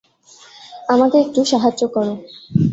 আমাকে একটু সাহায্য করো।